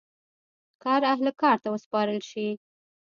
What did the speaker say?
کار اهل کار ته وسپارل شي.